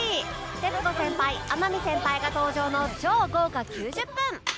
徹子先輩天海先輩が登場の超豪華９０分